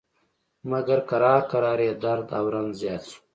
مګر کرار کرار یې درد او رنځ زیات شو.